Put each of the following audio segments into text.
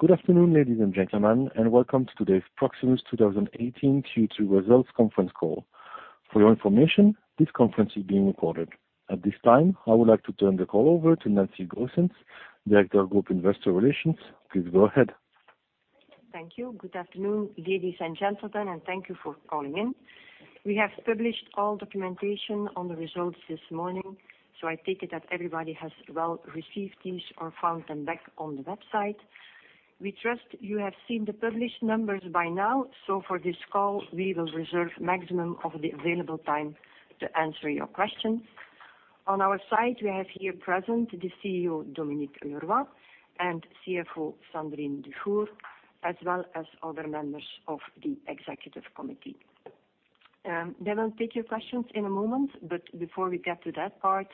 Good afternoon, ladies and gentlemen. Welcome to today's Proximus 2018 Q2 results conference call. For your information, this conference is being recorded. At this time, I would like to turn the call over to Nancy Goossens, Director of Group Investor Relations. Please go ahead. Thank you. Good afternoon, ladies and gentlemen. Thank you for calling in. We have published all documentation on the results this morning, I take it that everybody has well received these or found them back on the website. We trust you have seen the published numbers by now. For this call, we will reserve maximum of the available time to answer your questions. On our side, we have here present the CEO, Dominique Leroy, and CFO, Sandrine Dufour, as well as other members of the executive committee. They will take your questions in a moment. Before we get to that part,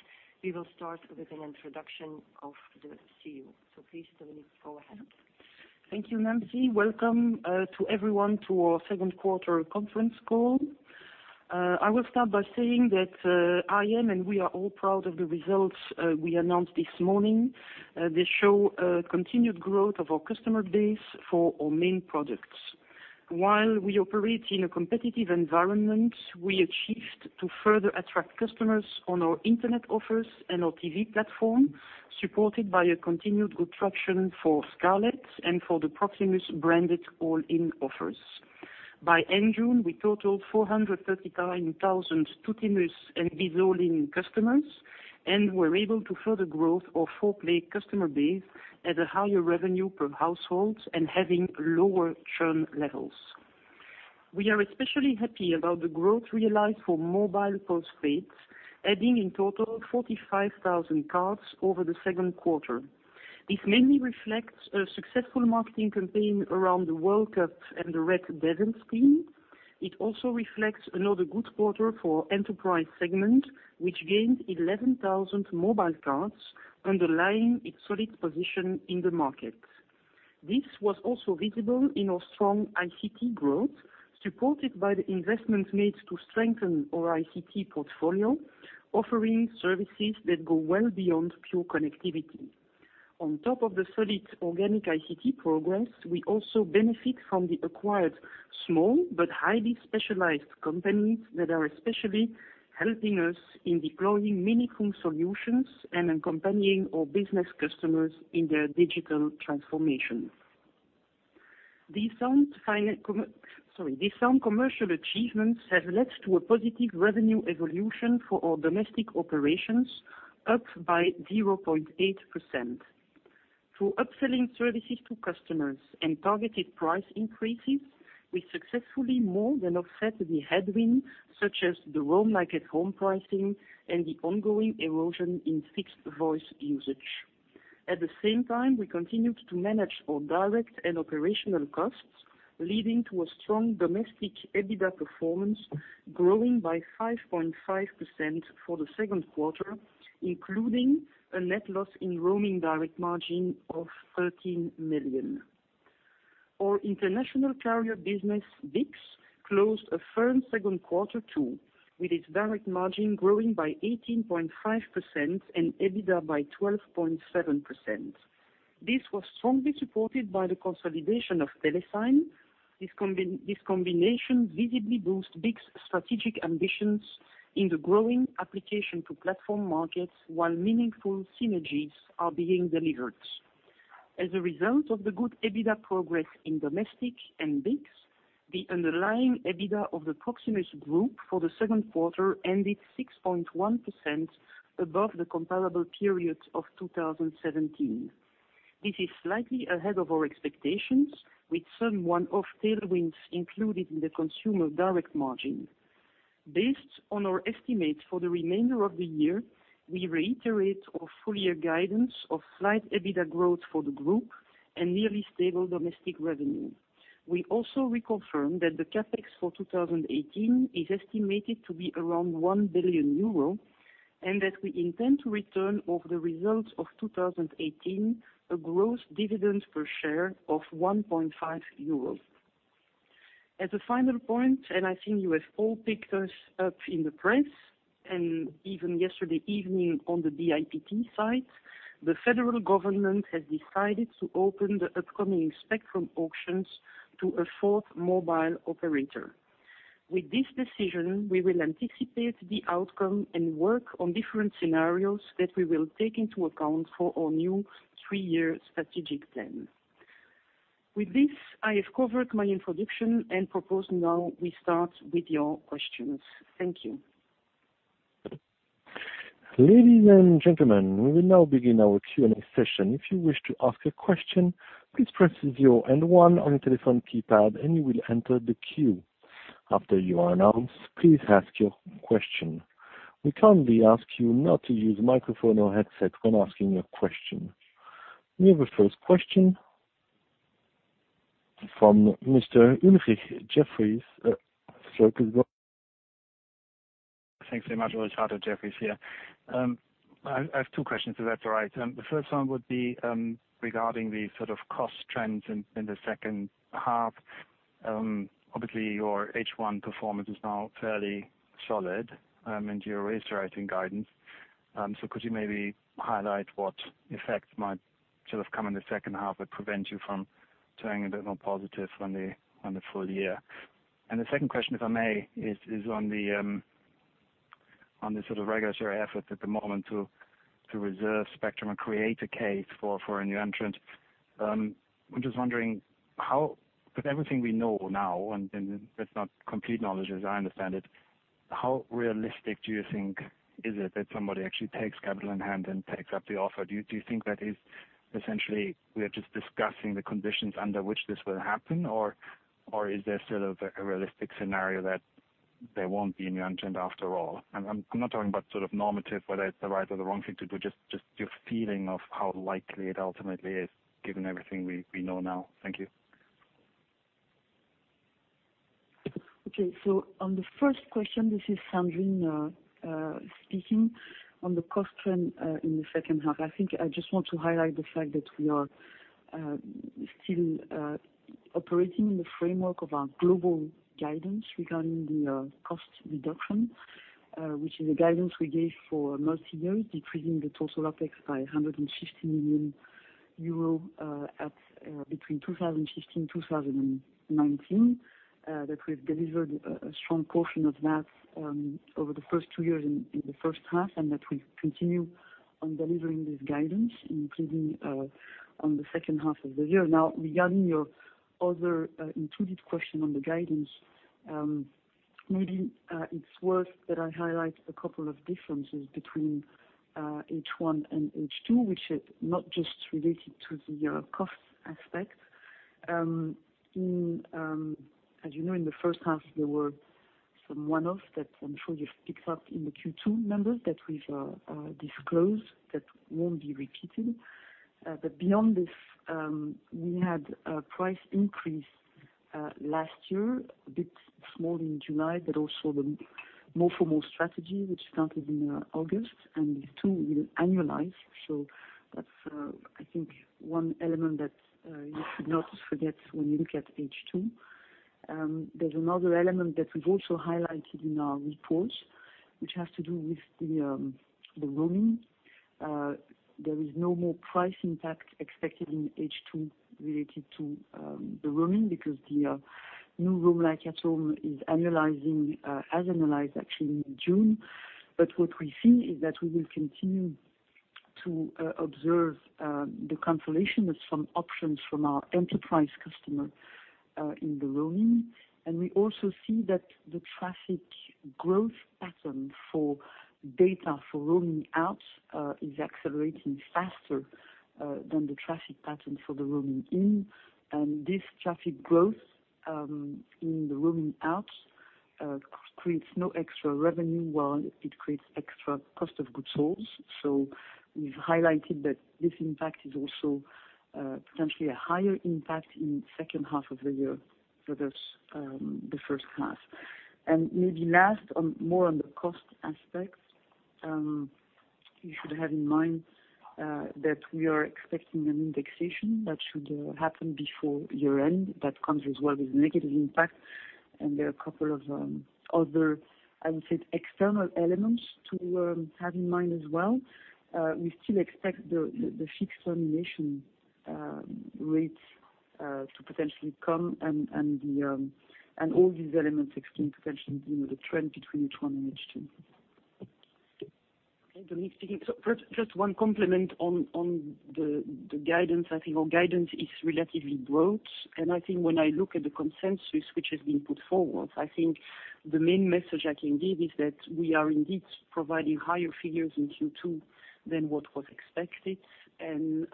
we will start with an introduction of the CEO. Please, Dominique, go ahead. Thank you, Nancy. Welcome to everyone to our second quarter conference call. I will start by saying that I am, and we are all proud of the results we announced this morning. They show a continued growth of our customer base for our main products. While we operate in a competitive environment, we achieved to further attract customers on our internet offers and our TV platform, supported by a continued good traction for Scarlet and for the Proximus-branded All-in offers. By end June, we totaled 439,000 Tuttimus and Bizz All-in customers, and were able to further growth our 4-play customer base at a higher revenue per household and having lower churn levels. We are especially happy about the growth realized for mobile postpaid, adding in total 45,000 cards over the second quarter. This mainly reflects a successful marketing campaign around the World Cup and the Red Devils team. It also reflects another good quarter for enterprise segment, which gained 11,000 mobile cards, underlying its solid position in the market. This was also visible in our strong ICT growth, supported by the investments made to strengthen our ICT portfolio, offering services that go well beyond pure connectivity. On top of the solid organic ICT progress, we also benefit from the acquired small but highly specialized companies that are especially helping us in deploying meaningful solutions and in accompanying our business customers in their digital transformation. These sound commercial achievements have led to a positive revenue evolution for our domestic operations, up by 0.8%. Through upselling services to customers and targeted price increases, we successfully more than offset the headwind, such as the Roam like at home pricing and the ongoing erosion in fixed voice usage. At the same time, we continued to manage our direct and operational costs, leading to a strong domestic EBITDA performance growing by 5.5% for the second quarter, including a net loss in roaming direct margin of 13 million. Our international carrier business, BICS, closed a firm second quarter too, with its direct margin growing by 18.5% and EBITDA by 12.7%. This was strongly supported by the consolidation of TeleSign. This combination visibly boosts BICS' strategic ambitions in the growing application to platform markets, while meaningful synergies are being delivered. As a result of the good EBITDA progress in domestic and BICS, the underlying EBITDA of the Proximus Group for the second quarter ended 6.1% above the comparable period of 2017. This is slightly ahead of our expectations, with some one-off tailwinds included in the consumer direct margin. Based on our estimates for the remainder of the year, we reiterate our full-year guidance of slight EBITDA growth for the group and nearly stable domestic revenue. We also reconfirm that the CapEx for 2018 is estimated to be around 1 billion euro, and that we intend to return over the results of 2018, a gross dividend per share of 1.5 euros. As a final point, and I think you have all picked us up in the press, and even yesterday evening on the BIPT site, the federal government has decided to open the upcoming spectrum auctions to a fourth mobile operator. With this decision, we will anticipate the outcome and work on different scenarios that we will take into account for our new three-year strategic plan. With this, I have covered my introduction and propose now we start with your questions. Thank you. Ladies and gentlemen, we will now begin our Q&A session. If you wish to ask a question, please press zero and one on your telephone keypad, and you will enter the queue. After you are announced, please ask your question. We kindly ask you not to use microphone or headset when asking a question. We have a first question from Mr. Ulrich, Jefferies. Sir, please go ahead. Thanks very much. It's Ulrich, Jefferies here. I have two questions, if that's all right. The first one would be regarding the cost trends in the second half. Obviously, your H1 performance is now fairly solid, and you raised your guidance. Could you maybe highlight what effects might come in the second half that prevent you from turning a bit more positive on the full year? The second question, if I may, is on the sort of regulatory efforts at the moment to reserve spectrum and create a case for a new entrant. I'm just wondering, with everything we know now, and that's not complete knowledge as I understand it, how realistic do you think is it that somebody actually takes capital in hand and takes up the offer? Do you think that is essentially, we are just discussing the conditions under which this will happen, or is there still a realistic scenario that there won't be a new entrant after all? I'm not talking about sort of normative, whether it's the right or the wrong thing to do, just your feeling of how likely it ultimately is given everything we know now. Thank you. Okay, on the first question, this is Sandrine speaking. On the cost trend in the second half, I think I just want to highlight the fact that we are still operating in the framework of our global guidance regarding the cost reduction, which is a guidance we gave for multi-year, decreasing the total OpEx by EUR 150 million between 2016, 2019, that we've delivered a strong portion of that over the first two years in the first half, and that we continue on delivering this guidance, including on the second half of the year. Regarding your other included question on the guidance, maybe it's worth that I highlight a couple of differences between H1 and H2, which are not just related to the cost aspect. As you know, in the first half, there were some one-offs that I'm sure you've picked up in the Q2 numbers that we've disclosed that won't be repeated. Beyond this, we had a price increase last year, a bit small in July, but also the more for more strategy, which started in August, and these two will annualize. That's, I think, one element that you should not forget when you look at H2. There's another element that we've also highlighted in our reports, which has to do with the roaming. There is no more price impact expected in H2 related to the roaming because the new Roam like at home has annualized actually in June. What we see is that we will continue to observe the cancellation of some options from our enterprise customer in the roaming. We also see that the traffic growth pattern for data for roaming out is accelerating faster than the traffic pattern for the roaming in. This traffic growth in the roaming out creates no extra revenue while it creates extra cost of goods sold. We've highlighted that this impact is also potentially a higher impact in the second half of the year versus the first half. Maybe last, more on the cost aspect. You should have in mind that we are expecting an indexation that should happen before year-end. That comes as well with negative impact, and there are a couple of other, I would say, external elements to have in mind as well. We still expect the fixed termination rates to potentially come and all these elements explain potentially the trend between H1 and H2. Okay. Dominique speaking. First, just one compliment on the guidance. I think our guidance is relatively broad, and I think when I look at the consensus which has been put forward, I think the main message I can give is that we are indeed providing higher figures in Q2 than what was expected, and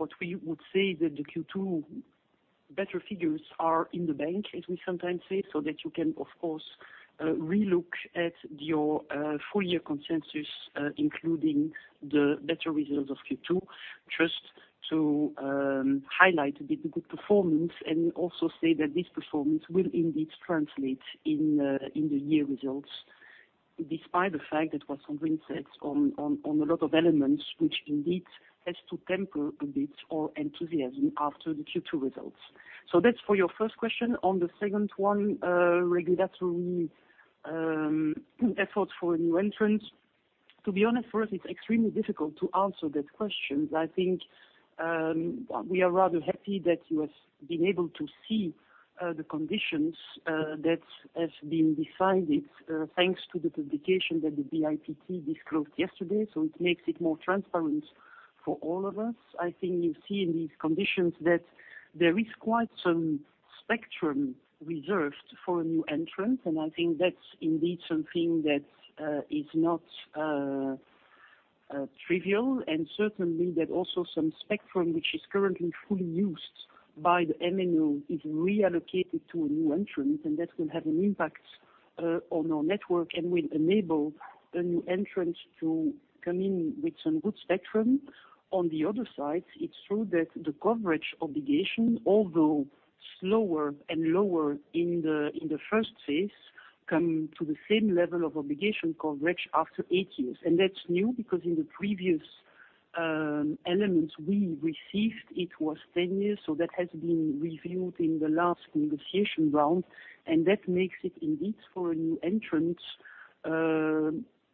what we would say that the Q2 better figures are in the bank, as we sometimes say, so that you can, of course, relook at your full year consensus, including the better results of Q2. Just to highlight a bit the good performance and also say that this performance will indeed translate in the year results, despite the fact that what Sandrine said on a lot of elements, which indeed has to temper a bit our enthusiasm after the Q2 results. That's for your first question. On the second one, regulatory efforts for a new entrant. To be honest, for us, it's extremely difficult to answer that question. I think we are rather happy that you have been able to see the conditions that have been decided thanks to the publication that the BIPT disclosed yesterday. It makes it more transparent for all of us. I think you see in these conditions that there is quite some spectrum reserved for a new entrant, and I think that's indeed something that is not trivial, and certainly that also some spectrum which is currently fully used by the MNO is reallocated to a new entrant, and that will have an impact on our network and will enable a new entrant to come in with some good spectrum. On the other side, it's true that the coverage obligation, although slower and lower in the first phase, come to the same level of obligation coverage after eight years. That's new because in the previous Elements we received, it was 10 years, that has been reviewed in the last negotiation round, and that makes it indeed for a new entrant,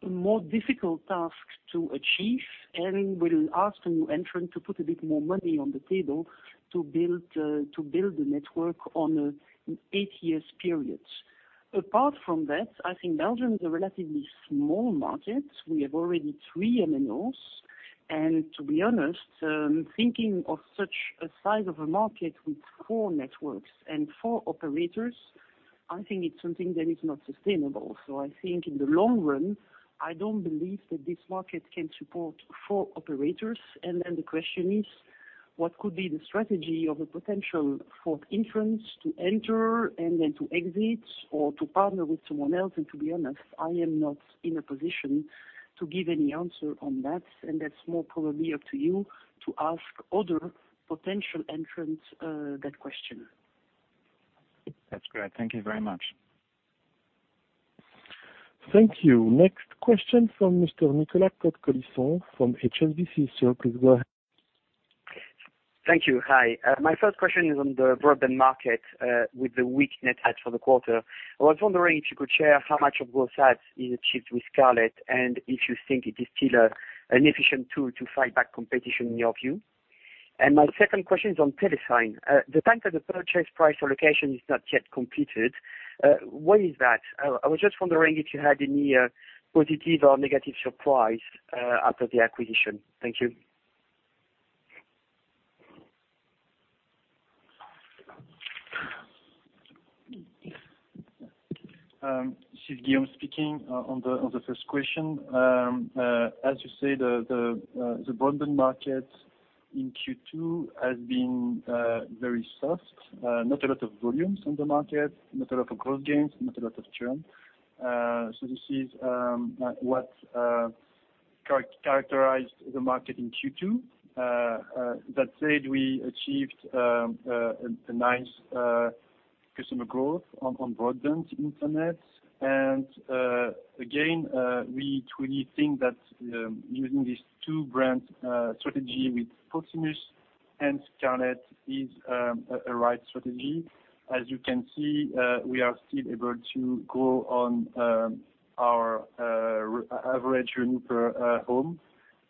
a more difficult task to achieve and will ask a new entrant to put a bit more money on the table to build a network on an eight years period. Apart from that, I think Belgium is a relatively small market. We have already three MNOs, to be honest, thinking of such a size of a market with four networks and four operators, I think it's something that is not sustainable. I think in the long run, I don't believe that this market can support four operators. The question is, what could be the strategy of a potential fourth entrant to enter and then to exit or to partner with someone else? To be honest, I am not in a position to give any answer on that. That's more probably up to you to ask other potential entrants that question. That's great. Thank you very much. Thank you. Next question from Mr. Nicolas Cote-Colisson from HSBC. Sir, please go ahead. Thank you. Hi. My first question is on the broadband market with the weak net adds for the quarter. I was wondering if you could share how much of gross adds is achieved with Scarlet, and if you think it is still an efficient tool to fight back competition in your view. My second question is on TeleSign. The time for the purchase price allocation is not yet completed. Why is that? I was just wondering if you had any positive or negative surprise after the acquisition. Thank you. This is Guillaume speaking. On the first question. As you say, the broadband market in Q2 has been very soft. Not a lot of volumes on the market, not a lot of growth gains, not a lot of churn. This is what characterized the market in Q2. That said, we achieved a nice customer growth on broadband internet, again, we truly think that using these two brand strategy with Proximus and Scarlet is a right strategy. As you can see, we are still able to grow on our average revenue per home.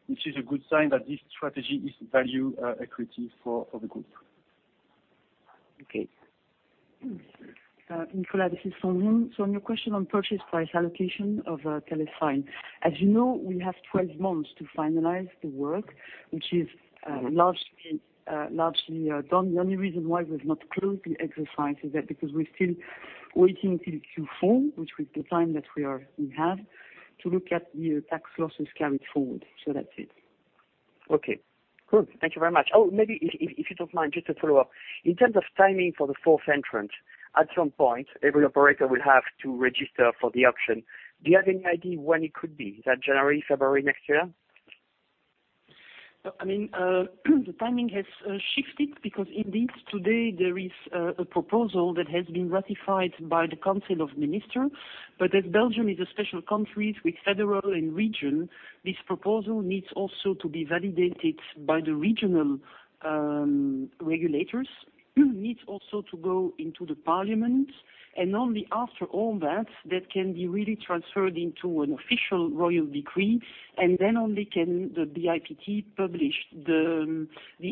Which is a good sign that this strategy is value accretive for the group. Okay. Nicolas, this is Dominique. On your question on purchase price allocation of TeleSign. As you know, we have 12 months to finalize the work, which is largely done. The only reason why we've not closed the exercise is that because we're still waiting till Q4, which with the time that we have, to look at the tax losses carried forward. That's it. Okay, cool. Thank you very much. Maybe if you don't mind, just to follow up. In terms of timing for the fourth entrant, at some point, every operator will have to register for the auction. Do you have any idea when it could be? Is that January, February next year? The timing has shifted because indeed today there is a proposal that has been ratified by the Council of Ministers. As Belgium is a special country with federal and region, this proposal needs also to be validated by the regional regulators. Needs also to go into the parliament, and only after all that can be really transferred into an official royal decree, and then only can the BIPT publish the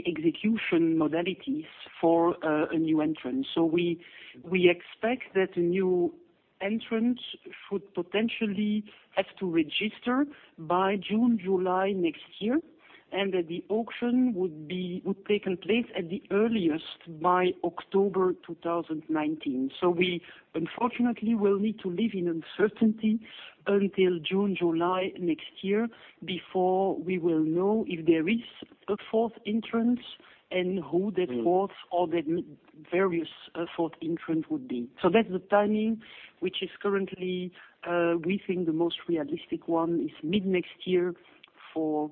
execution modalities for a new entrant. We expect that a new entrant should potentially have to register by June, July next year, and that the auction would've taken place at the earliest by October 2019. We unfortunately will need to live in uncertainty until June, July next year before we will know if there is a fourth entrant and who that fourth or the various fourth entrant would be. That's the timing, which is currently, we think the most realistic one is mid-next year for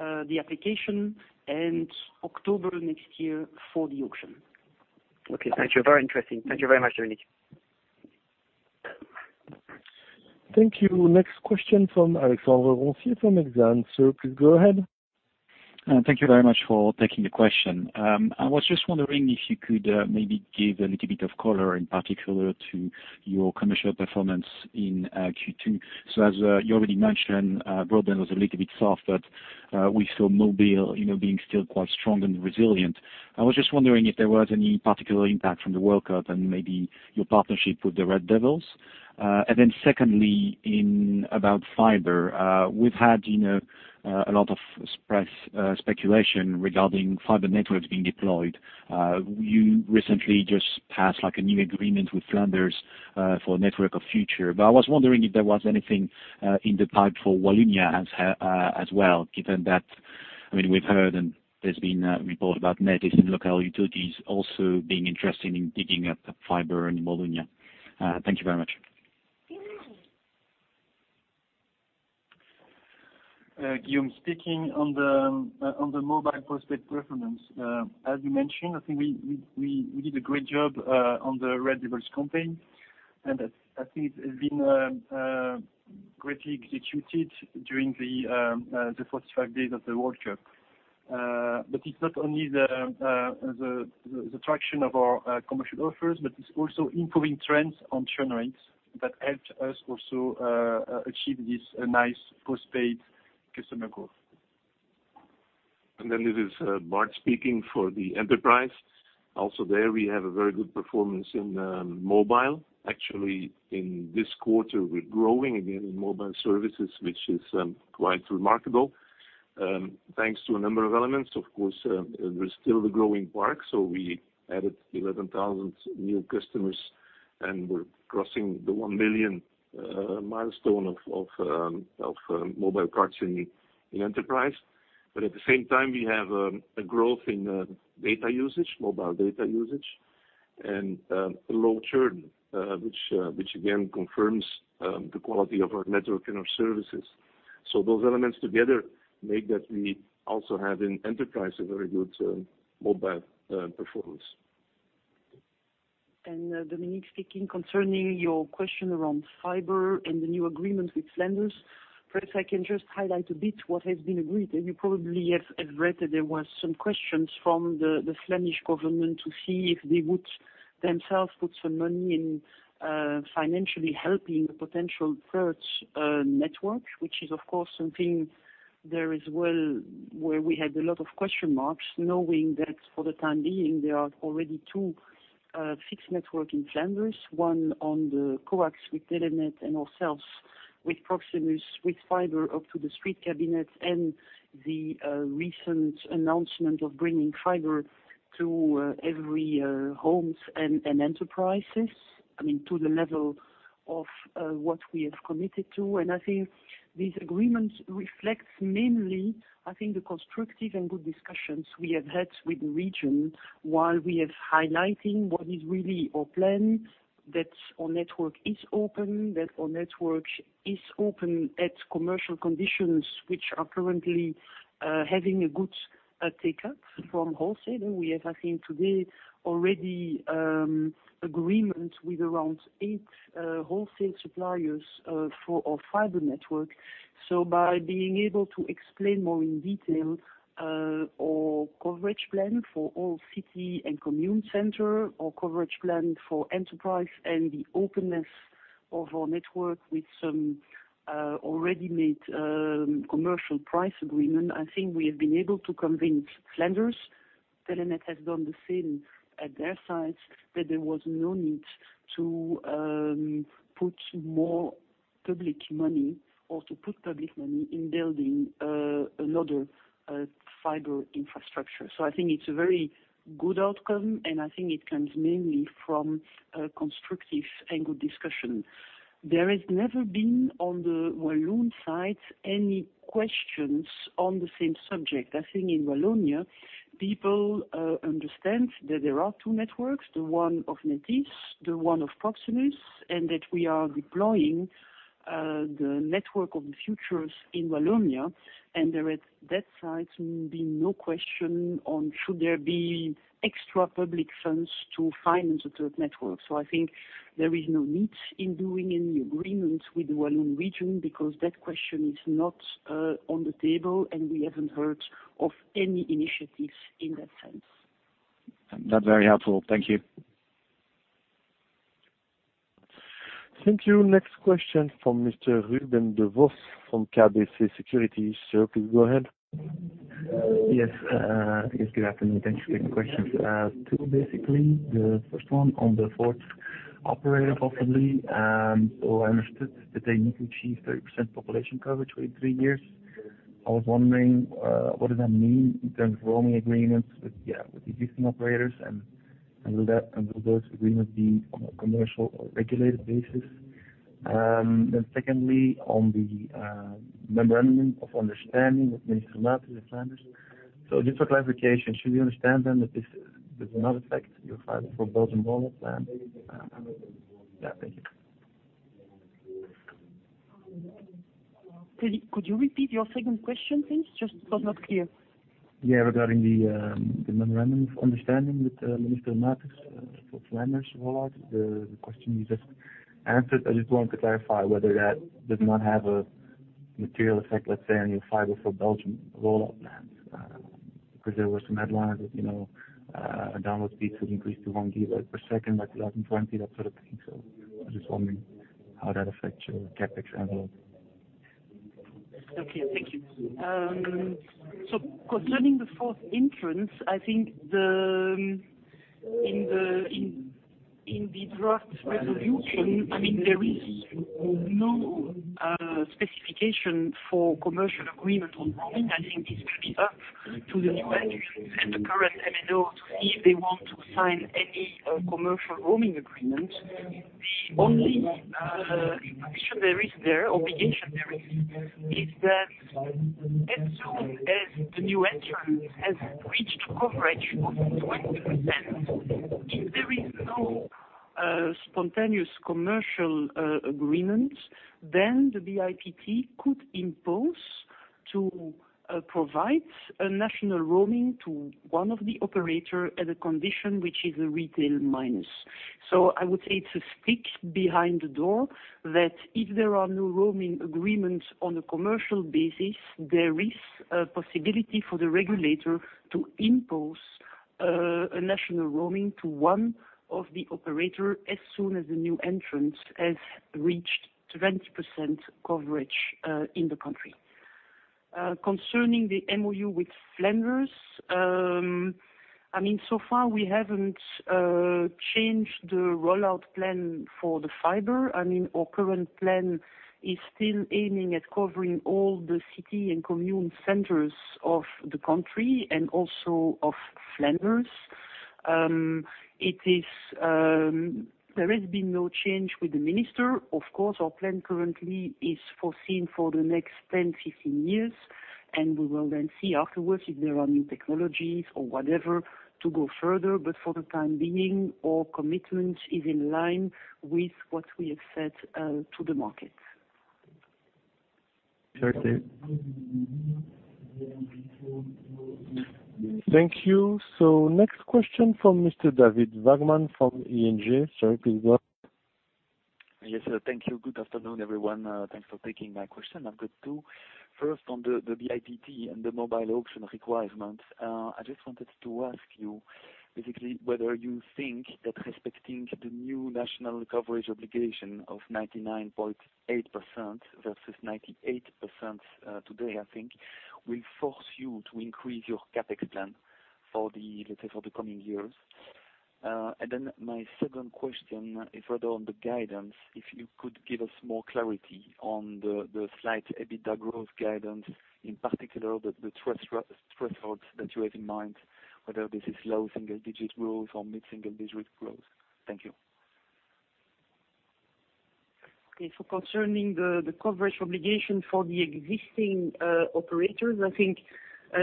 the application and October next year for the auction. Okay. Thank you. Very interesting. Thank you very much, Dominique. Thank you. Next question from Alexandre Roncier from Exane. Sir, please go ahead. Thank you very much for taking the question. I was just wondering if you could maybe give a little bit of color in particular to your commercial performance in Q2. As you already mentioned, broadband was a little bit soft, but we saw mobile being still quite strong and resilient. I was just wondering if there was any particular impact from the World Cup and maybe your partnership with the Red Devils. Secondly, about fiber. We've had a lot of press speculation regarding fiber networks being deployed. You recently just passed like a new agreement with Flanders, for Network of the Future. I was wondering if there was anything in the pipe for Wallonia as well, given that, we've heard and there's been a report about Nethys and local utilities also being interested in digging up fiber in Wallonia. Thank you very much. Guillaume speaking. On the mobile postpaid performance. As you mentioned, I think we did a great job on the Red Devils campaign I think it's been greatly executed during the 45 days of the World Cup. It's not only the traction of our commercial offers, but it's also improving trends on churn rates that helped us also achieve this nice postpaid customer growth. This is Mark speaking for the enterprise. Also there, we have a very good performance in mobile. Actually, in this quarter, we're growing again in mobile services, which is quite remarkable. Thanks to a number of elements. Of course, there's still the growing park. We added 11,000 new customers, and we're crossing the 1 million milestone of mobile parks in enterprise. At the same time, we have a growth in data usage, mobile data usage, and a low churn, which again confirms the quality of our network and our services. Those elements together make that we also have in enterprise a very good mobile performance. Dominique speaking. Concerning your question around fiber and the new agreement with Flanders. Perhaps I can just highlight a bit what has been agreed. You probably have read that there were some questions from the Flemish government to see if they would themselves put some money in financially helping a potential third network, which is, of course, something where we had a lot of question marks, knowing that for the time being, there are already two fixed network in Flanders, one on the coax with Telenet and ourselves with Proximus, with fiber up to the street cabinets, and the recent announcement of bringing fiber to every homes and enterprises, I mean, to the level of what we have committed to. I think this agreement reflects mainly, I think the constructive and good discussions we have had with the region, while we are highlighting what is really our plan, that our network is open, that our network is open at commercial conditions, which are currently having a good takeup from wholesale. We have, I think today, already agreement with around eight wholesale suppliers for our fiber network. By being able to explain more in detail our coverage plan for all city and commune center, our coverage plan for enterprise, and the openness of our network with some already made commercial price agreement, I think we have been able to convince Flanders. Telenet has done the same at their side, that there was no need to put more public money or to put public money in building another fiber infrastructure. I think it's a very good outcome. I think it comes mainly from a constructive and good discussion. There has never been, on the Walloon side, any questions on the same subject. I think in Wallonia, people understand that there are two networks, the one of Nethys, the one of Proximus, and that we are deploying the Network of the Future in Wallonia. There at that side, there will be no question on should there be extra public funds to finance a third network. I think there is no need in doing any agreement with the Walloon region because that question is not on the table, and we haven't heard of any initiative in that sense. That's very helpful. Thank you. Thank you. Next question from Mr. Ruben Devos from KBC Securities. Sir, please go ahead. Yes. Good afternoon. Thanks. Two quick questions. Two, basically. The first one on the fourth operator, possibly. I understood that they need to achieve 30% population coverage within three years. I was wondering, what does that mean in terms of roaming agreements with the existing operators, and will those agreements be on a commercial or regulated basis? Secondly, on the memorandum of understanding with Minister Muyters of Flanders. Just for clarification, should we understand then that this does not affect your Fiber for Belgium rollout plan? Thank you. Could you repeat your second question, please? Just was not clear. Regarding the memorandum of understanding with Minister Muyters for Flanders rollout. The question you just answered, I just want to clarify whether that does not have a material effect, let's say, on your Fiber for Belgium rollout plans. Because there were some headlines that download speeds would increase to one gigabyte per second by 2020, that sort of thing. I'm just wondering how that affects your CapEx envelope. Okay. Thank you. Concerning the fourth entrance, I think in the draft resolution, there is no specification for commercial agreement on roaming. I think this will be up to the new entrant and the current MNO to see if they want to sign any commercial roaming agreement. The only condition there is, obligation there is that as soon as the new entrant has reached coverage of 20%, if there is no spontaneous commercial agreement, then the BIPT could impose to provide a national roaming to one of the operator at a condition which is a retail-minus. I would say it's a stick behind the door that if there are no roaming agreements on a commercial basis, there is a possibility for the regulator to impose a national roaming to one of the operator as soon as the new entrant has reached 20% coverage in the country. Concerning the MoU with Flanders, so far we haven't changed the rollout plan for the fiber. Our current plan is still aiming at covering all the city and commune centers of the country and also of Flanders. There has been no change with the minister. Of course, our plan currently is foreseen for the next 10, 15 years, and we will then see afterwards if there are new technologies or whatever to go further, but for the time being, our commitment is in line with what we have said to the market. Thank you. Next question from Mr. David Vagman from ING. Sir, please go on. Yes, thank you. Good afternoon, everyone. Thanks for taking my question. I've got two. First, on the BIPT and the mobile auction requirements. I just wanted to ask you basically whether you think that respecting the new national coverage obligation of 99.8% versus 98% today, I think, will force you to increase your CapEx plan for the coming years. My second question is rather on the guidance, if you could give us more clarity on the slight EBITDA growth guidance, in particular the thresholds that you have in mind, whether this is low single-digit growth or mid-single-digit growth. Thank you. Concerning the coverage obligation for the existing operators, I think,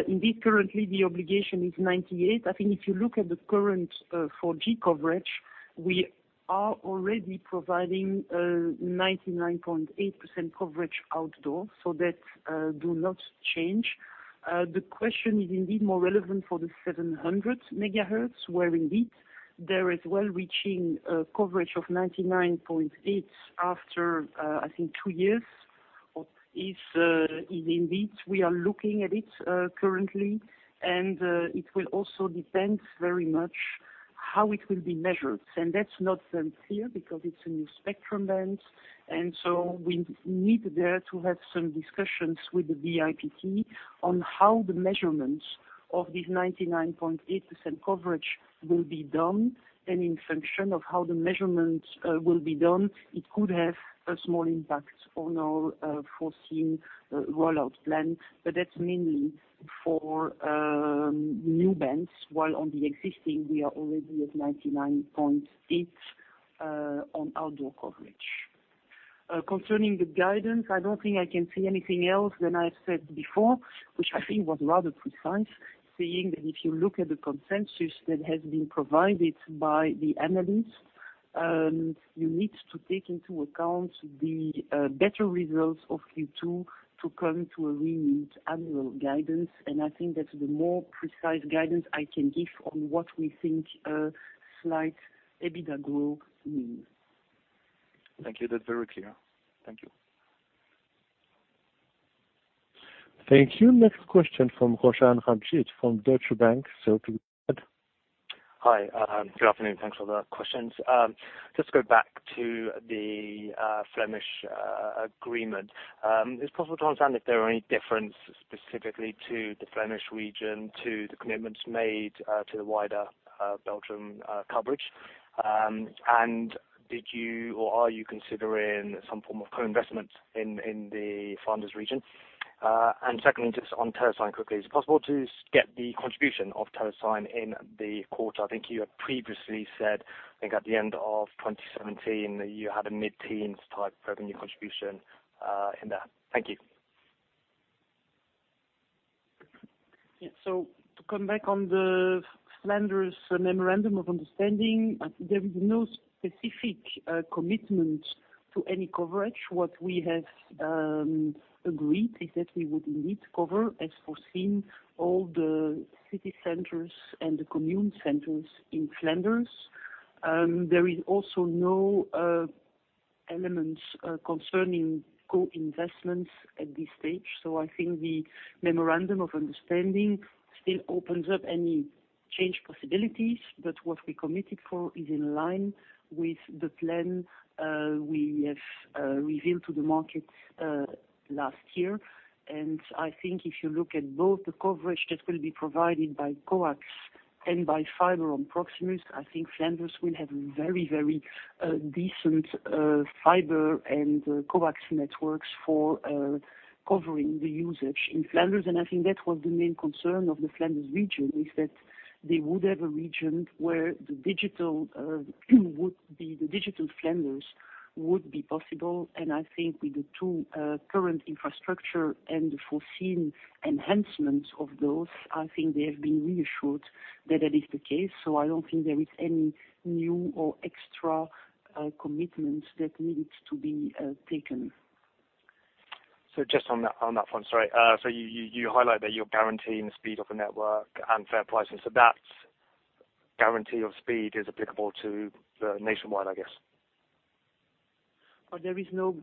indeed currently the obligation is 98%. I think if you look at the current 4G coverage, we are already providing 99.8% coverage outdoor, so that do not change. The question is indeed more relevant for the 700 MHz, where indeed there is well reaching coverage of 99.8% after I think two years. Indeed, we are looking at it currently, and it will also depend very much how it will be measured. That's not so clear because it's a new spectrum band. We need there to have some discussions with the BIPT on how the measurements of this 99.8% coverage will be done. In function of how the measurements will be done, it could have a small impact on our foreseen rollout plan. But that's mainly for new bands, while on the existing we are already at 99.8% on outdoor coverage. Concerning the guidance, I don't think I can say anything else than I've said before, which I think was rather precise, saying that if you look at the consensus that has been provided by the analysts, you need to take into account the better results of Q2 to come to a renewed annual guidance. I think that's the more precise guidance I can give on what we think a slight EBITDA growth means. Thank you. That's very clear. Thank you. Thank you. Next question from Roshan Ranjit from Deutsche Bank. Please go on. Hi. Good afternoon. Thanks for the questions. Just go back to the Flemish agreement. Is it possible to understand if there are any differences specifically to the Flemish region, to the commitments made to the wider Belgium coverage? Did you or are you considering some form of co-investment in the Flanders region? Secondly, just on TeleSign quickly. Is it possible to get the contribution of TeleSign in the quarter? I think you had previously said, I think at the end of 2017, you had a mid-teens type revenue contribution in that. Thank you. To come back on the Flanders memorandum of understanding, there is no specific commitment to any coverage. What we have agreed is that we would indeed cover, as foreseen, all the city centers and the commune centers in Flanders. There is also no elements concerning co-investments at this stage. I think the memorandum of understanding still opens up any change possibilities. What we committed for is in line with the plan we have revealed to the market last year. I think if you look at both the coverage that will be provided by Coax and by fiber on Proximus, I think Flanders will have very decent fiber and coax networks for covering the usage in Flanders. I think that was the main concern of the Flanders region, is that they would have a region where the Digital Flanders would be possible. I think with the two current infrastructures and the foreseen enhancement of those, I think they have been reassured that it is the case. I don't think there is any new or extra commitment that needs to be taken. Just on that front, sorry. You highlight that you're guaranteeing the speed of a network and fair pricing. That guarantee of speed is applicable to nationwide, I guess? There is no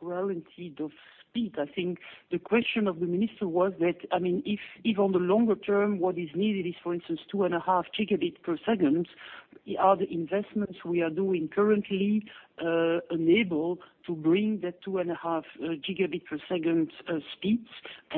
guarantee of speed. I think the question of the minister was that, if on the longer term, what is needed is, for instance, 2.5 Gbps, are the investments we are doing currently unable to bring that 2.5 Gbps speeds?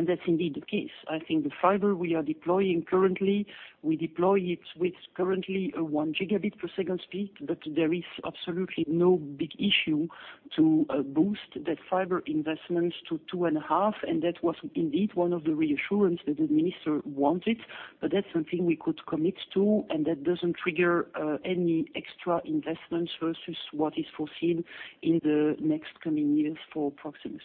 That's indeed the case. I think the fiber we are deploying currently, we deploy it with currently a 1 Gbps speed, but there is absolutely no big issue to boost that fiber investments to 2.5, and that was indeed one of the reassurances that the minister wanted. That's something we could commit to, and that doesn't trigger any extra investments versus what is foreseen in the next coming years for Proximus.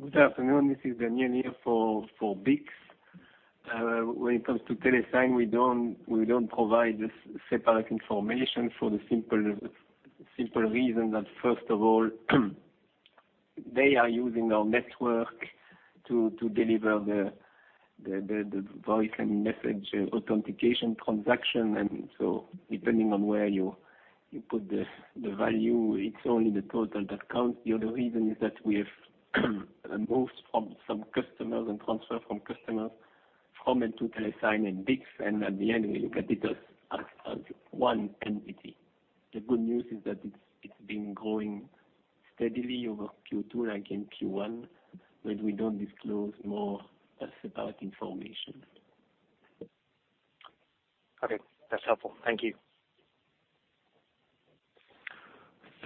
Good afternoon, this is Daniel, here for BICS. When it comes to TeleSign, we don't provide separate information for the simple reason that, first of all, they are using our network to deliver the voice and message authentication transaction. Depending on where you put the value, it's only the total that counts. The other reason is that we have moves from some customers and transfer from customers from and to TeleSign and BICS, and at the end, we look at it as one entity. The good news is that it's been growing steadily over Q2 like in Q1. We don't disclose more separate information. Okay. That's helpful. Thank you.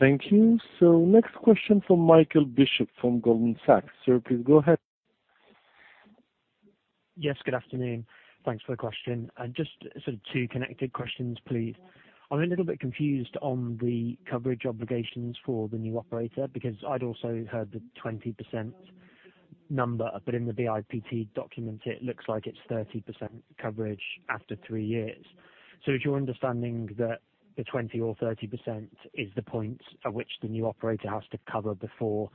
Thank you. Next question from Michael Bishop from Goldman Sachs. Sir, please go ahead. Yes, good afternoon. Thanks for the question. Two connected questions, please. I am a little bit confused on the coverage obligations for the new operator, because I had also heard the 20% number, but in the BIPT document, it looks like it is 30% coverage after 3 years. Is your understanding that the 20% or 30% is the point at which the new operator has to cover before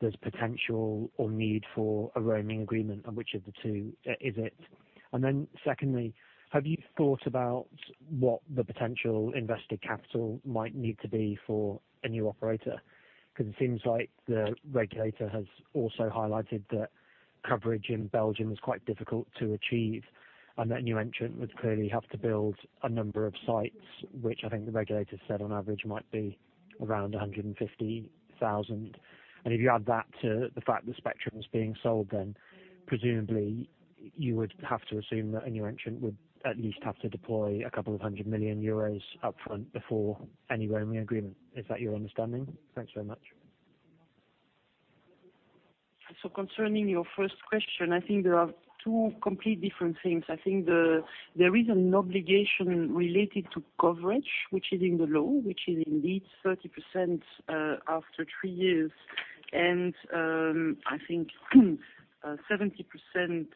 there is potential or need for a roaming agreement, and which of the two is it? Secondly, have you thought about what the potential invested capital might need to be for a new operator? Because it seems like the regulator has also highlighted that coverage in Belgium is quite difficult to achieve, and that a new entrant would clearly have to build a number of sites, which I think the regulators said on average might be around 150,000. If you add that to the fact that spectrum's being sold, presumably you would have to assume that a new entrant would at least have to deploy a couple of hundred million EUR upfront before any roaming agreement. Is that your understanding? Thanks very much. Concerning your first question, I think there are two complete different things. I think there is an obligation related to coverage, which is in the law, which is indeed 30% after three years. I think 70%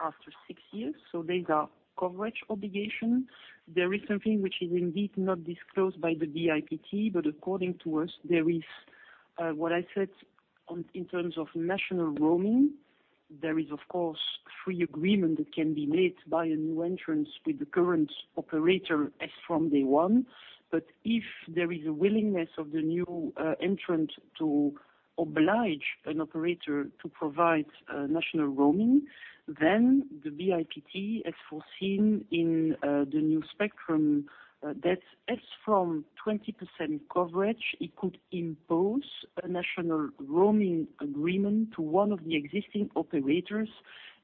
after six years. These are coverage obligations. There is something which is indeed not disclosed by the BIPT, but according to us, there is what I said in terms of national roaming. There is, of course, free agreement that can be made by a new entrant with the current operator as from day one. If there is a willingness of the new entrant to oblige an operator to provide national roaming, then the BIPT, as foreseen in the new spectrum, that as from 20% coverage, it could impose a national roaming agreement to one of the existing operators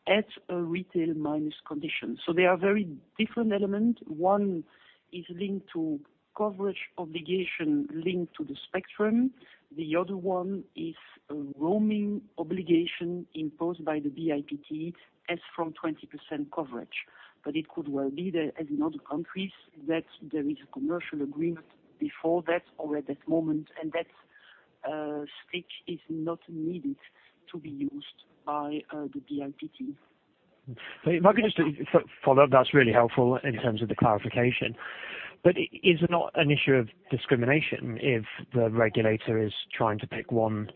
at a retail-minus condition. They are very different element. One is linked to coverage obligation linked to the spectrum. The other one is a roaming obligation imposed by the BIPT as from 20% coverage. It could well be that as in other countries, that there is a commercial agreement before that or at that moment, and that stick is not needed to be used by the BIPT. If I could just follow up, that's really helpful in terms of the clarification. Is it not an issue of discrimination if the regulator is trying to pick one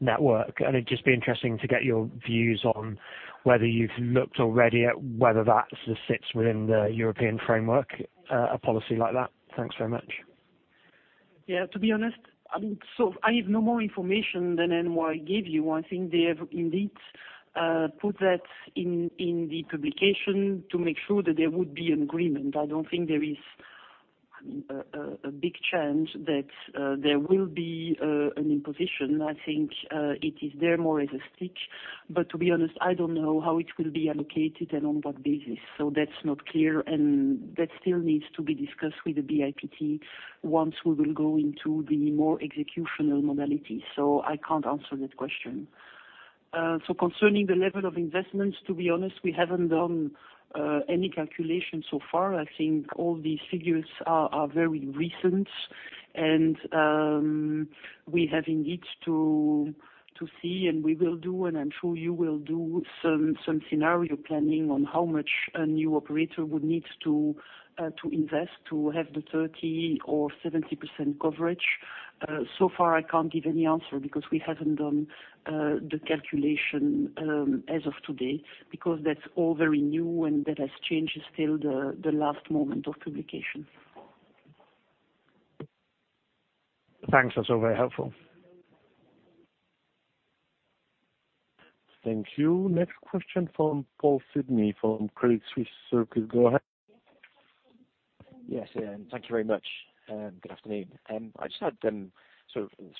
network? It'd just be interesting to get your views on whether you've looked already at whether that sits within the European framework, a policy like that. Thanks very much. Yeah, to be honest, I have no more information than I gave you. I think they have indeed, put that in the publication to make sure that there would be an agreement. I don't think there is a big change that there will be an imposition. I think, it is there more as a stick. To be honest, I don't know how it will be allocated and on what basis. That's not clear, and that still needs to be discussed with the BIPT once we will go into the more executional modality. I can't answer that question. Concerning the level of investments, to be honest, we haven't done any calculation so far. I think all these figures are very recent, and we have indeed to see, and we will do, and I'm sure you will do some scenario planning on how much a new operator would need to invest to have the 30% or 70% coverage. I can't give any answer because we haven't done the calculation as of today, because that's all very new and that has changed still the last moment of publication. Thanks. That's all very helpful. Thank you. Next question from Paul Sidney, from Credit Suisse. Sir, please go ahead. Thank you very much. Good afternoon. I just had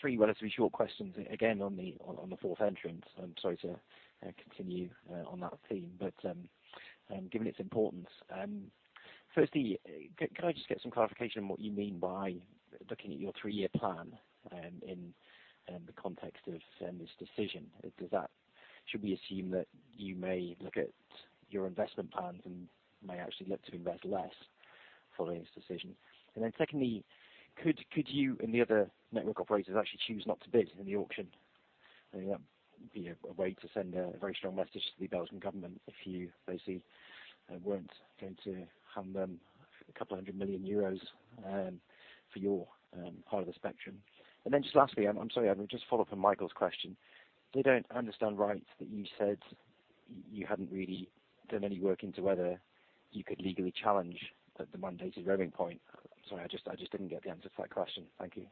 three relatively short questions, again, on the fourth entrance. I'm sorry to continue on that theme, given its importance. Firstly, can I just get some clarification on what you mean by looking at your three-year plan in the context of this decision? Should we assume that you may look at your investment plans and may actually look to invest less following this decision? Secondly, could you and the other network operators actually choose not to bid in the auction? I think that would be a way to send a very strong message to the Belgian government if you basically weren't going to hand them a couple hundred million EUR for your part of the spectrum. Just lastly, I'm sorry, just follow up on Michael's question. Did I understand right that you said you hadn't really done any work into whether you could legally challenge the mandated roaming point? Sorry, I just didn't get the answer to that question. Thank you.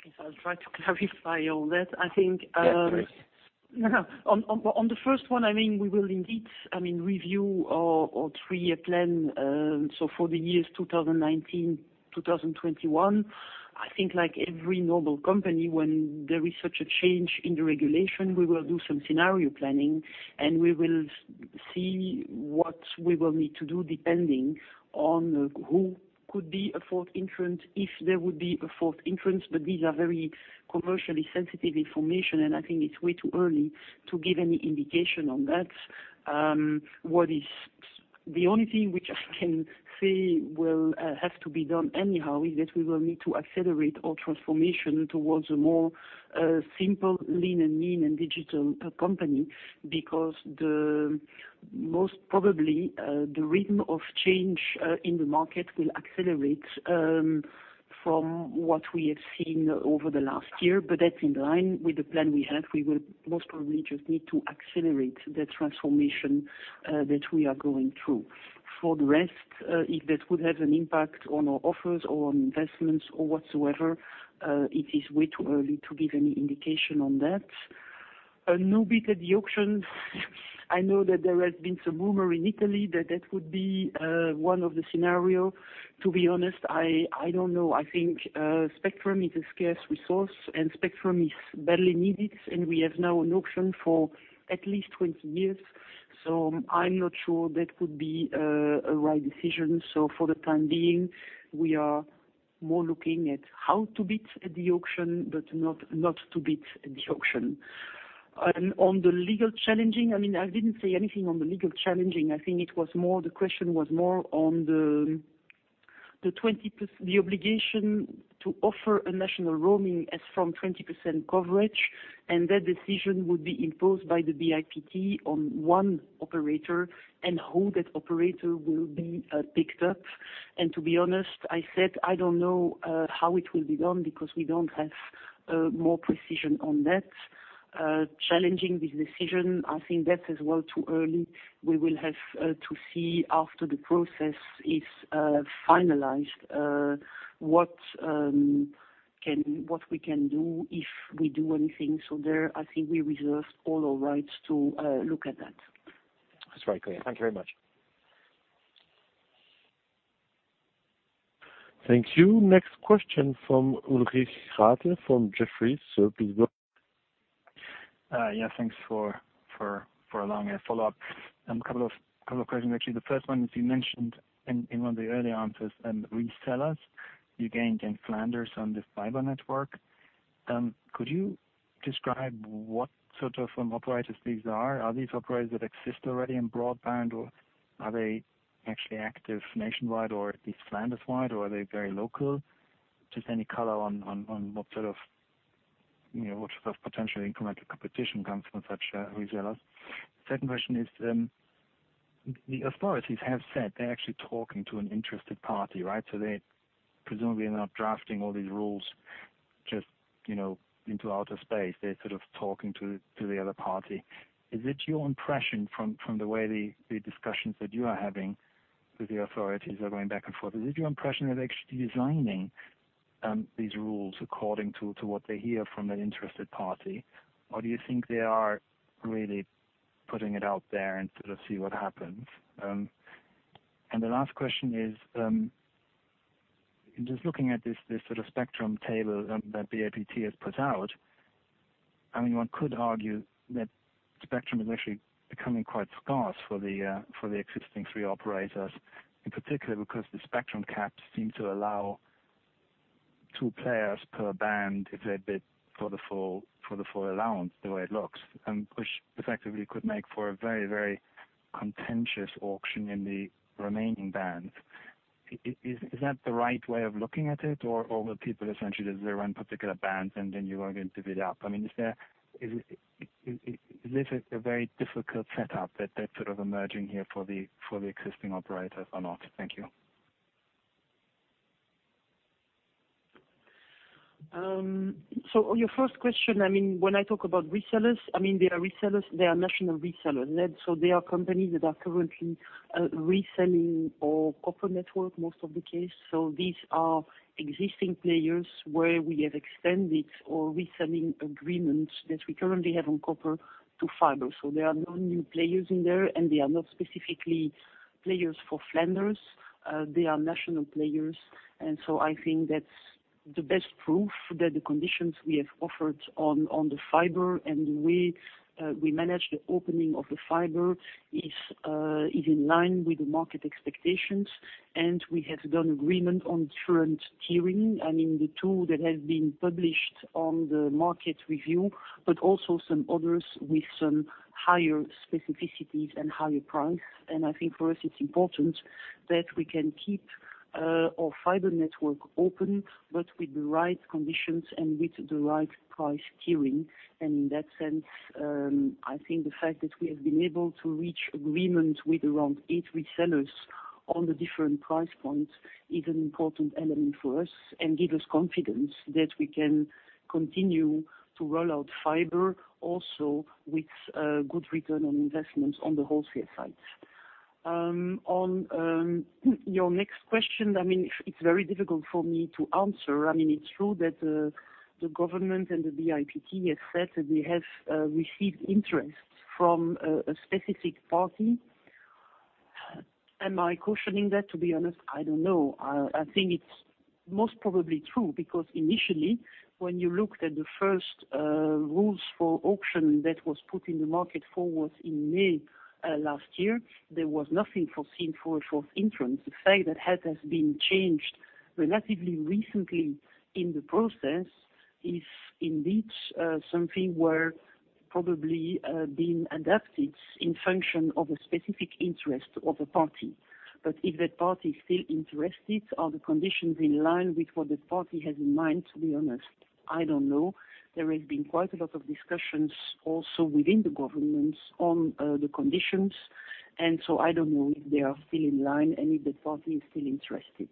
Okay. I'll try to clarify all that. Yeah, please. On the first one, we will indeed review our three-year plan. For the years 2019, 2021, I think like every normal company, when there is such a change in the regulation, we will do some scenario planning, and we will see what we will need to do depending on who could be a fourth entrant, if there would be a fourth entrant. These are very commercially sensitive information, and I think it's way too early to give any indication on that. The only thing which I can say will have to be done anyhow is that we will need to accelerate our transformation towards a more simple, lean and mean and digital company, because most probably, the rhythm of change in the market will accelerate from what we have seen over the last year. That's in line with the plan we have. We will most probably just need to accelerate the transformation that we are going through. For the rest, if that would have an impact on our offers or on investments or whatsoever, it is way too early to give any indication on that. No bid at the auction. I know that there has been some rumor in Italy that that would be one of the scenario. To be honest, I don't know. I think spectrum is a scarce resource, and spectrum is badly needed, and we have now an auction for at least 20 years. I'm not sure that would be a right decision. For the time being, we are more looking at how to bid at the auction, but not to bid at the auction. On the legal challenging, I didn't say anything on the legal challenging. I think the question was more on the obligation to offer a national roaming as from 20% coverage, and that decision would be imposed by the BIPT on one operator and who that operator will be picked up. To be honest, I said, I don't know how it will be done because we don't have more precision on that. Challenging this decision, I think that's as well too early. We will have to see after the process is finalized what we can do if we do anything. There, I think we reserved all our rights to look at that. That's very clear. Thank you very much. Thank you. Next question from Ulrich Rathe from Jefferies. Please go ahead. Yeah, thanks for allowing a follow-up. A couple of questions, actually. The first one is, you mentioned in one of the early answers, resellers you gained in Flanders on this fiber network. Could you describe what sort of operators these are? Are these operators that exist already in broadband, or are they actually active nationwide or at least Flanders-wide, or are they very local? Just any color on what sort of potential incremental competition comes from such resellers. Second question is, the authorities have said they're actually talking to an interested party, right? They presumably are not drafting all these rules just into outer space. They're sort of talking to the other party. Is it your impression from the way the discussions that you are having with the authorities are going back and forth, is it your impression they're actually designing these rules according to what they hear from an interested party, or do you think they are really putting it out there and sort of see what happens? The last question is, just looking at this sort of spectrum table that BIPT has put out, one could argue that spectrum is actually becoming quite scarce for the existing three operators. In particular, because the spectrum caps seem to allow two players per band if they bid for the full allowance, the way it looks. Which effectively could make for a very contentious auction in the remaining bands. Is that the right way of looking at it? Will people essentially just zero in particular bands, and then you are going to bid up? I mean, is this a very difficult setup that's sort of emerging here for the existing operators or not? Thank you. On your first question, when I talk about resellers, I mean, they are national resellers. They are companies that are currently reselling our copper network, most of the case. These are existing players where we have extended or reselling agreements that we currently have on copper to fiber. There are no new players in there, and they are not specifically players for Flanders. They are national players. I think that's the best proof that the conditions we have offered on the fiber and the way we manage the opening of the fiber is in line with the market expectations. We have done agreement on different tiering. I mean, the two that have been published on the market review, but also some others with some higher specificities and higher price. I think for us, it's important that we can keep our fiber network open, but with the right conditions and with the right price tiering. In that sense, I think the fact that we have been able to reach agreement with around eight resellers on the different price points is an important element for us and give us confidence that we can continue to roll out fiber also with good return on investment on the wholesale side. On your next question, it's very difficult for me to answer. It's true that the government and the BIPT has said that they have received interest from a specific party. Am I cautioning that? To be honest, I don't know. I think it's most probably true because initially, when you looked at the first rules for auction that was put in the market forward in May last year, there was nothing foreseen for a fourth entrant. The fact that that has been changed relatively recently in the process is indeed something where probably being adapted in function of a specific interest of a party. If that party is still interested, are the conditions in line with what the party has in mind? To be honest, I don't know. There has been quite a lot of discussions also within the government on the conditions, and so I don't know if they are still in line and if the party is still interested.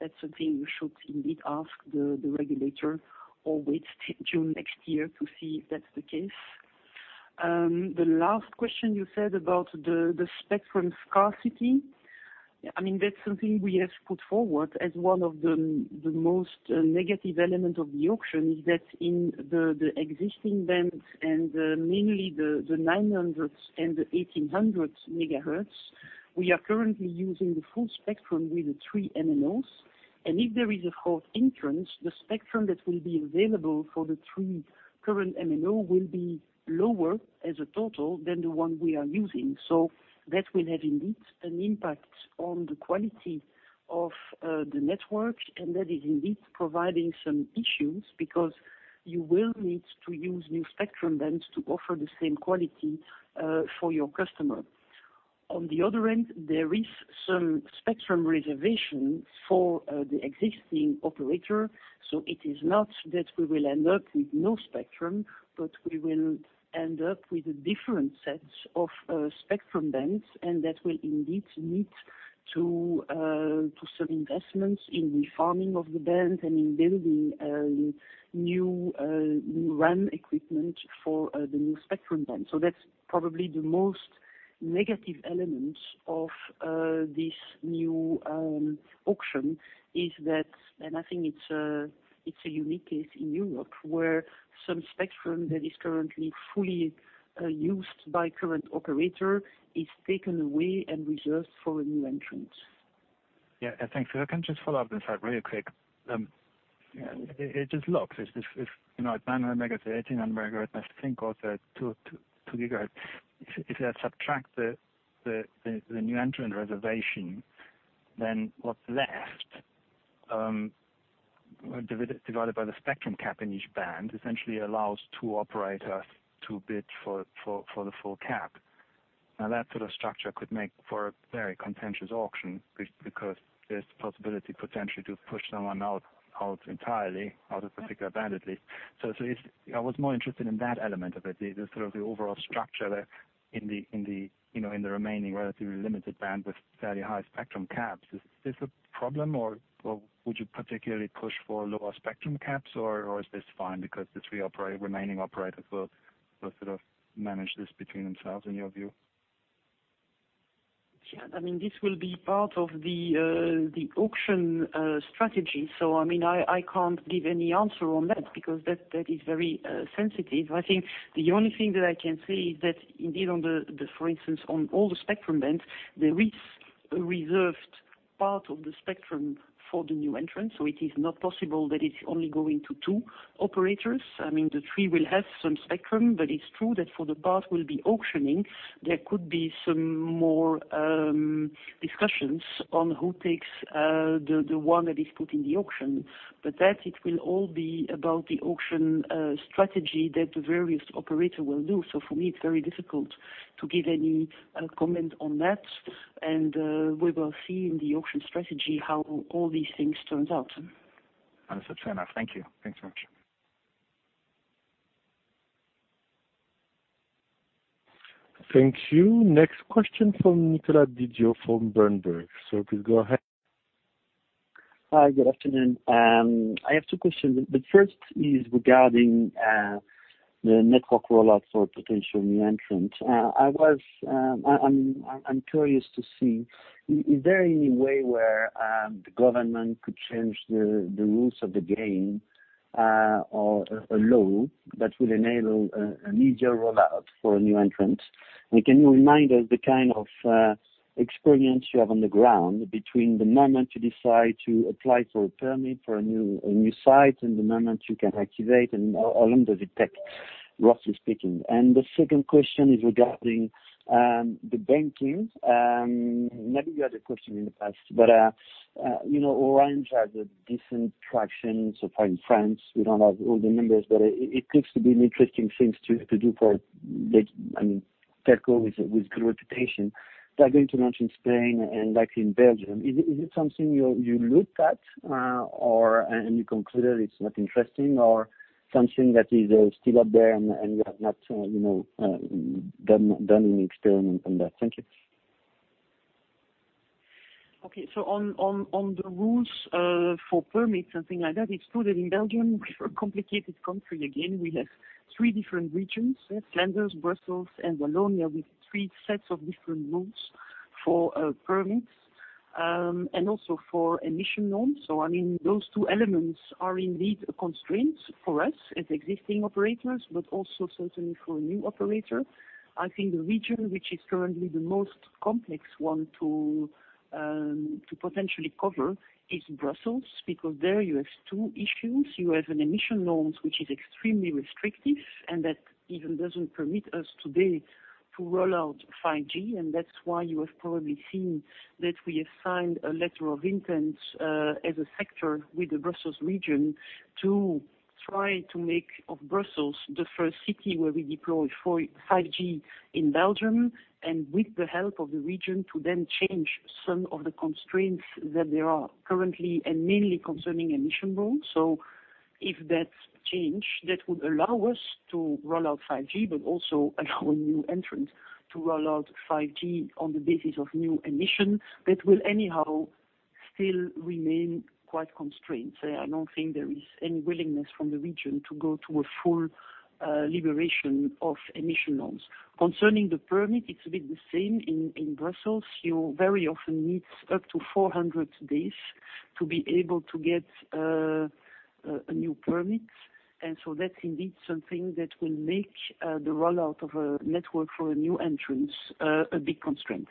That's something you should indeed ask the regulator or wait till June next year to see if that's the case. The last question you said about the spectrum scarcity. That's something we have put forward as one of the most negative element of the auction is that in the existing bands and mainly the 900 MHz and the 1,800 MHz, we are currently using the full spectrum with the three MNOs. If there is a fourth entrant, the spectrum that will be available for the three current MNOs will be lower as a total than the one we are using. That will have indeed an impact on the quality of the network, and that is indeed providing some issues because you will need to use new spectrum bands to offer the same quality for your customer. On the other end, there is some spectrum reservation for the existing operator. It is not that we will end up with no spectrum, but we will end up with a different set of spectrum bands, and that will indeed need to some investments in refarming of the band and in building a new RAN equipment for the new spectrum band. That's probably the most negative element of this new auction is that, and I think it's a unique case in Europe where some spectrum that is currently fully used by current operator is taken away and reserved for a new entrant. Thanks. If I can just follow up on that really quick. It just looks, if 900 MHz, 1,800 MHz, and I think also 2 GHz. If you subtract the new entrant reservation, what's left, divided by the spectrum cap in each band, essentially allows two operators to bid for the full cap. That sort of structure could make for a very contentious auction because there's possibility potentially to push someone out entirely, out of particular band at least. I was more interested in that element of it, the sort of the overall structure there in the remaining relatively limited band with fairly high spectrum caps. Is this a problem, or would you particularly push for lower spectrum caps, or is this fine because the three remaining operators will sort of manage this between themselves in your view? This will be part of the auction strategy. I can't give any answer on that because that is very sensitive. I think the only thing that I can say is that indeed, for instance, on all the spectrum bands, there is a reserved part of the spectrum for the new entrants. It is not possible that it's only going to two operators. I mean, the three will have some spectrum, but it's true that for the part we'll be auctioning, there could be some more discussions on who takes the one that is put in the auction. That it will all be about the auction strategy that the various operator will do. For me, it's very difficult to give any comment on that. We will see in the auction strategy how all these things turns out. That's fair enough. Thank you. Thanks very much. Thank you. Next question from Nicolas Didio from Berenberg. Please go ahead. Hi, good afternoon. First is regarding the network rollout for potential new entrants. I'm curious to see, is there any way where the government could change the rules of the game or a law that would enable an easier rollout for a new entrant? Can you remind us the kind of experience you have on the ground between the moment you decide to apply for a permit for a new site and the moment you can activate, and how long does it take, roughly speaking? The second question is regarding the banking. Maybe you had a question in the past, but Orange had a decent traction so far in France. We don't have all the numbers, but it seems to be an interesting thing to do for big, I mean, telco with good reputation. They're going to launch in Spain and likely in Belgium. Is it something you looked at and you concluded it's not interesting or something that is still out there and you have not done any experiment on that? Thank you. Okay. On the rules for permits, something like that, it's true that in Belgium, we're a complicated country again. We have three different regions, Flanders, Brussels, and Wallonia, with three sets of different rules for permits, and also for emission norms. I mean, those two elements are indeed a constraint for us as existing operators, but also certainly for a new operator. I think the region which is currently the most complex one to potentially cover is Brussels, because there you have two issues. You have an emission norms which is extremely restrictive and that even doesn't permit us today to roll out 5G, and that's why you have probably seen that we have signed a letter of intent, as a sector, with the Brussels region to try to make of Brussels the first city where we deploy 5G in Belgium. With the help of the region, to then change some of the constraints that there are currently and mainly concerning emission rules. If that change, that would allow us to roll out 5G, but also allow a new entrant to roll out 5G on the basis of new emission, that will anyhow still remain quite constrained. I don't think there is any willingness from the region to go to a full liberation of emission norms. Concerning the permit, it's a bit the same in Brussels. You very often need up to 400 days to be able to get a new permit. That's indeed something that will make the rollout of a network for a new entrant a big constraint.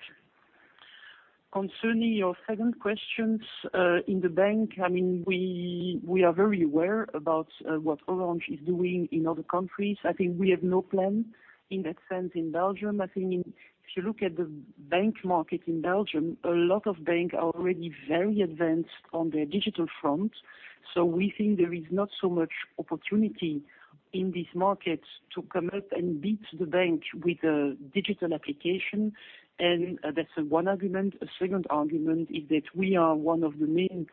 Concerning your second questions, in the bank, we are very aware about what Orange is doing in other countries. I think we have no plan in that sense in Belgium. I think if you look at the bank market in Belgium, a lot of banks are already very advanced on their digital front. We think there is not so much opportunity in this market to come up and beat the bank with a digital application. That's one argument. A second argument is that we are one of the main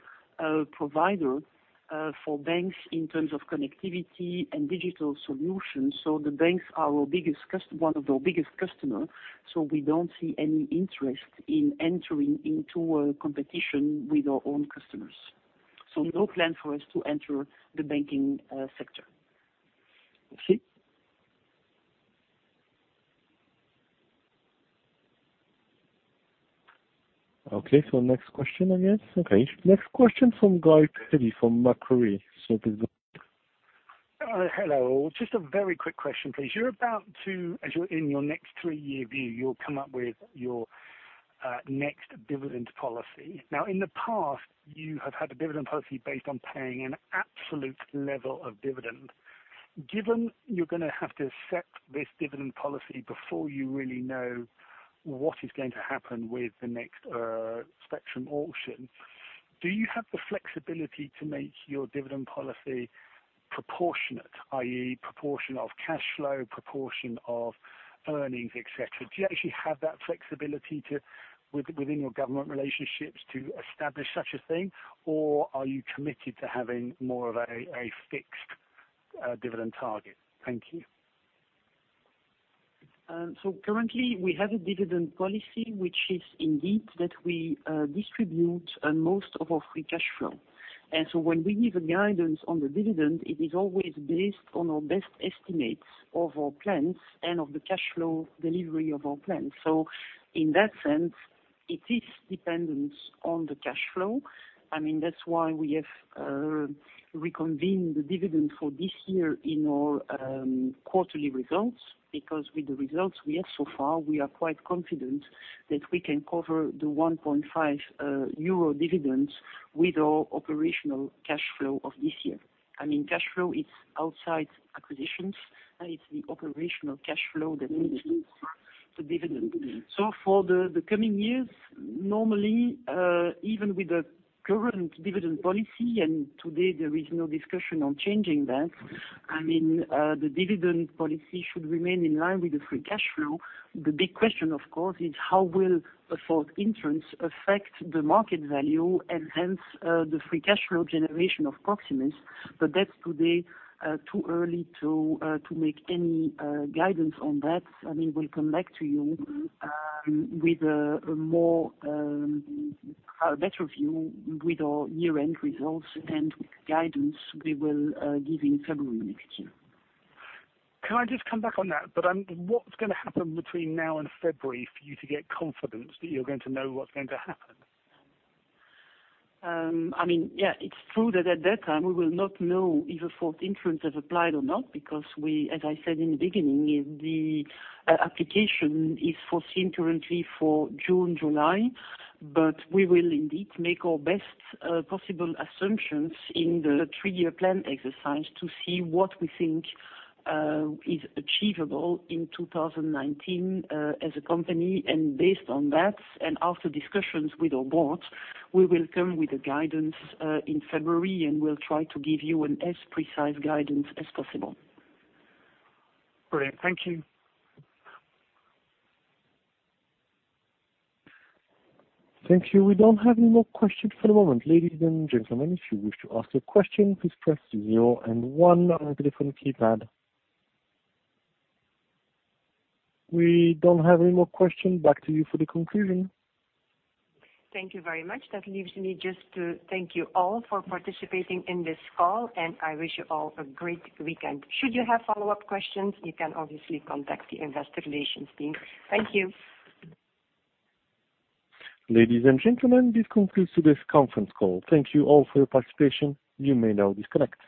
providers for banks in terms of connectivity and digital solutions. The banks are one of our biggest customers. We don't see any interest in entering into a competition with our own customers. No plan for us to enter the banking sector. Merci. Okay, next question, I guess. Okay, next question from Guy Peddy from Macquarie. Please go ahead. Hello. Just a very quick question, please. As you're in your next three-year view, you'll come up with your next dividend policy. In the past, you have had a dividend policy based on paying an absolute level of dividend. Given you're going to have to set this dividend policy before you really know what is going to happen with the next spectrum auction, do you have the flexibility to make your dividend policy proportionate, i.e. proportion of cash flow, proportion of earnings, et cetera? Do you actually have that flexibility within your government relationships to establish such a thing, or are you committed to having more of a fixed dividend target? Thank you. Currently we have a dividend policy which is indeed that we distribute most of our free cash flow. When we give a guidance on the dividend, it is always based on our best estimates of our plans and of the cash flow delivery of our plans. In that sense it is dependent on the cash flow. That's why we have reconfirmed the dividend for this year in our quarterly results, because with the results we have so far, we are quite confident that we can cover the 1.5 euro dividend with our operational cash flow of this year. Cash flow is outside acquisitions, and it's the operational cash flow that meets the dividend. For the coming years, normally, even with the current dividend policy, and today there is no discussion on changing that, the dividend policy should remain in line with the free cash flow. The big question, of course, is how will a fourth entrant affect the market value and hence the free cash flow generation of Proximus. That's today too early to make any guidance on that. We'll come back to you with a better view with our year-end results and guidance we will give in February next year. Can I just come back on that? What's going to happen between now and February for you to get confidence that you're going to know what's going to happen? It's true that at that time, we will not know if a fourth entrance has applied or not, because as I said in the beginning, the application is foreseen currently for June, July. We will indeed make our best possible assumptions in the three-year plan exercise to see what we think is achievable in 2019 as a company. Based on that, and after discussions with our board, we will come with a guidance in February, and we'll try to give you an as precise guidance as possible. Great. Thank you. Thank you. We don't have any more questions for the moment. Ladies and gentlemen, if you wish to ask a question, please press zero and one on your telephone keypad. We don't have any more questions. Back to you for the conclusion. Thank you very much. That leaves me just to thank you all for participating in this call, and I wish you all a great weekend. Should you have follow-up questions, you can obviously contact the investor relations team. Thank you. Ladies and gentlemen, this concludes today's conference call. Thank you all for your participation. You may now disconnect.